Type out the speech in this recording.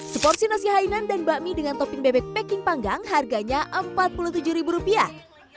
seporsi nasi hainan dan bakmi dengan topping bebek packing panggang harganya empat puluh tujuh ribu rupiah